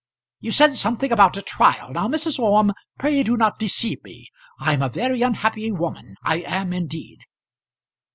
"You said something about a trial. Now, Mrs. Orme, pray do not deceive me. I'm a very unhappy woman; I am indeed."